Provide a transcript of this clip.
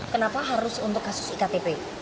kenapa harus untuk kasus iktp